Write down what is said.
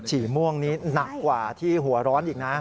ฉี่ม่วงนี้หนักกว่าที่หัวร้อนอีกนะ